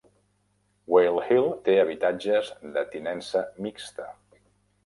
Whale Hill té habitatges de tinença mixta.